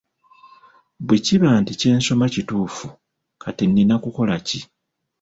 Bwe kiba nti kyensoma kituufu, kati nnina kukola ki?